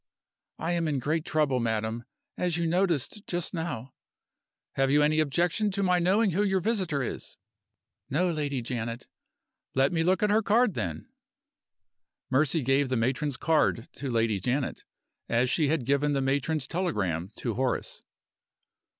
"I am in great trouble, madam, as you noticed just now " "Have you any objection to my knowing who your visitor is?" "No, Lady Janet." "Let me look at her card, then." Mercy gave the matron's card to Lady Janet, as she had given the matron's telegram to Horace.